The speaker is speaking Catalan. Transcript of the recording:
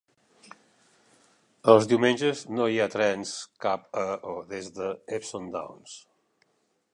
Els diumenges no hi ha trens cap a o des de Epsom Downs.